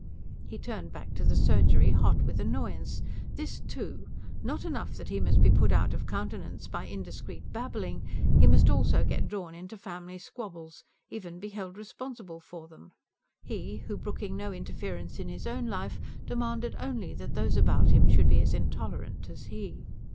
He turned back to the surgery hot with annoyance. This, too! Not enough that he must be put out of countenance by indiscreet babbling; he must also get drawn into family squabbles, even be held responsible for them: he who, brooking no interference in his own life, demanded only that those about him should be as intolerant as he.